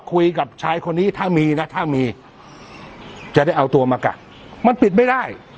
คุยกับชายคนนี้ถ้ามีนะถ้ามีจะได้เอาตัวมากัดมันปิดไม่ได้